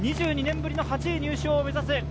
２２年ぶりの８位入賞を目指す